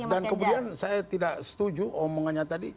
dan kemudian saya tidak setuju omongannya tadi